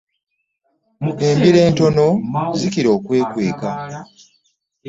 Embiro entono zikiea okwekweka .